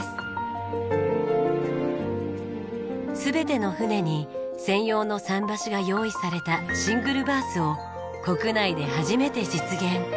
全ての船に専用の桟橋が用意されたシングルバースを国内で初めて実現。